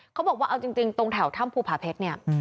เขาบอกว่าเอาจริงตรงแถวถ้ำภูผาเพชรเนี่ย